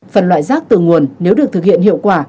phân loại rác từ nguồn nếu được thực hiện hiệu quả